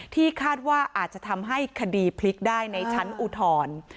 ที่คาดว่าอาจจะทำให้คดีพลิกได้ในชั้นอุทธรณ์